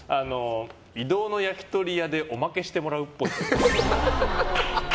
移動の焼き鳥屋でおまけしてもらうっぽい。